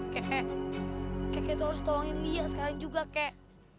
keke keke tuh harus tolongin lia sekarang juga kek